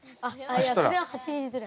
それは走りづらい。